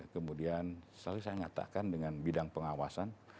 kemudian selalu saya nyatakan dengan bidang pengawasan